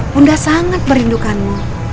bunda sangat merindukanmu